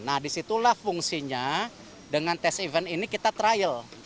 nah disitulah fungsinya dengan tes event ini kita trial